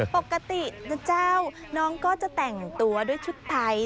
ปกติน้องก็จะแต่งตัวด้วยชุดไทย